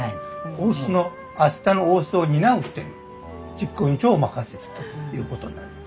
大須の「あしたの大須」を担う人に実行委員長を任せるということになります。